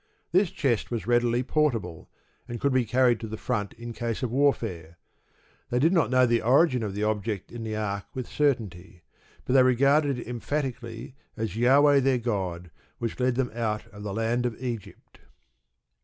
This chest was readily portable, and could be carried to the front in case of warfare. They did not know the origin of the object in the ark with certainty; but they regarded it emphatically as "Jahweh their god, which led them out of the land of Egypt."...